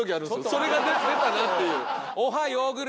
それが出たなっていう。